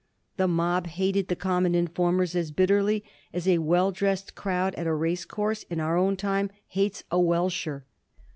The mob hated the common informers as bitterly as a well dressed crowd at a race course in our own time hates a ^' welsher."